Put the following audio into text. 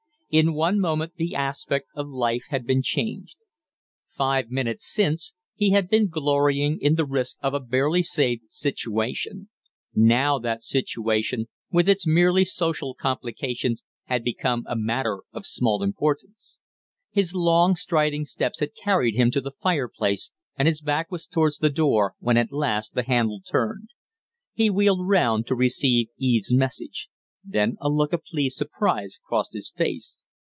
In one moment the aspect of life had been changed. Five minutes since he had been glorying in the risk of a barely saved situation; now that situation with its merely social complications had become a matter of small importance. His long, striding steps had carried him to the fireplace, and his back was towards the door when at last the handle turned. He wheeled round to receive Eve's message; then a look of pleased surprise crossed his face.